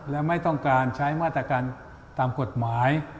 และไม่ต้องการใช้มาตรการตามกฎหมาย